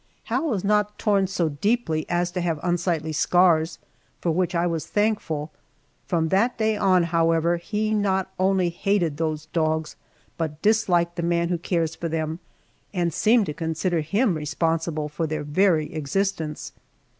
Hal was not torn so deeply as to have unsightly scars, for which I was thankful. From that day on, however, he not only hated those dogs, but disliked the man who cares for them, and seemed to consider him responsible for their very existence.